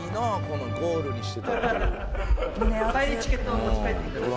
このゴールにしてたっていう」